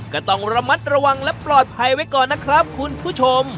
ก็ต้องระมัดระวังและปลอดภัยไว้ก่อนนะครับคุณผู้ชม